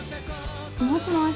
もしもし。